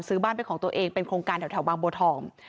ซื้อบ้านเป็นของตัวเองเป็นโครงการแถวบางบัวทอง